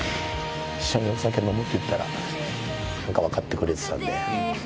一緒にお酒飲もうって言ったら、なんか分かってくれてたんで。